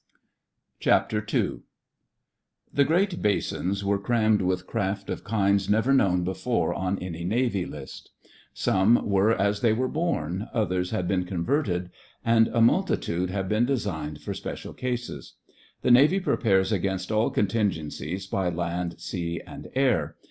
II PATROLS The great basins were crammed with craft of kinds never known before on any Navy List. Some were as they were born, others had been converted, and a multitude have been designed for special cases. The Navy prepares against all contin gencies by land, sea, and air.